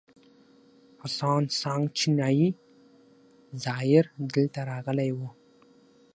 هسوان سانګ چینایي زایر دلته راغلی و